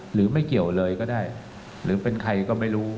หรือไม่เกี่ยวเลยก็ได้หรือเป็นใครก็ไม่รู้